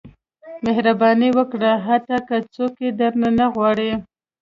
• مهرباني وکړه، حتی که څوک یې درنه نه غواړي.